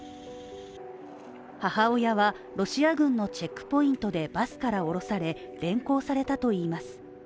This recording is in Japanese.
母親は、ロシア軍のチェックポイントでバスから降ろされ連行されたといいます。